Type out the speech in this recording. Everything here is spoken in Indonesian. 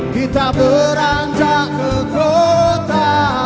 kita beranjak ke kota